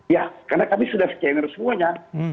ya karena kami sudah scanner semuanya